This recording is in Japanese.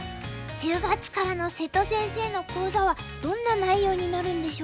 １０月からの瀬戸先生の講座はどんな内容になるんでしょうか？